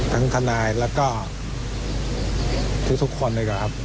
ทั้งธนายแล้วก็ทุกคนเลยครับ